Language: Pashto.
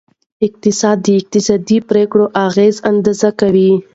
اقتصاد د اقتصادي پریکړو اغیزه اندازه کوي.